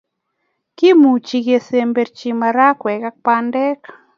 Kimuchi kesemberchi marakwek ak pandek